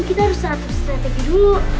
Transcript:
kita harus satu strategi dulu